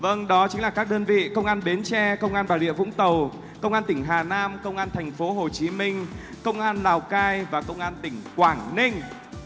vâng đó chính là các đơn vị công an bến tre công an bà rịa vũng tàu công an tỉnh hà nam công an thành phố hồ chí minh công an lào cai và công an tỉnh quảng ninh